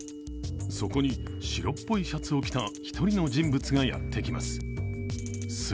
そこに白っぽいシャツを着た１人の人物がやってきます。